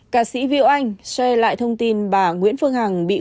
cà sĩ việu anh share lại thông tin bà nguyễn phương hằng bị khóa